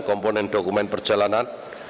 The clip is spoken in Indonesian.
komponen dokumen perjalanan